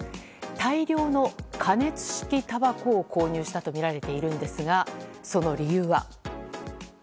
大量の加熱式たばこを購入したとみられているんですがその理由は？